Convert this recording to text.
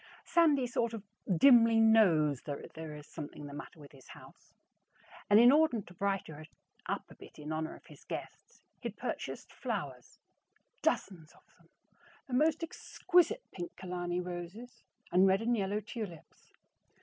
Sandy sort of dimly knows that there is something the matter with his house, and in order to brighten it up a bit in honor of his guests, he had purchased flowers, dozens of them, the most exquisite pink Killarney roses and red and yellow tulips.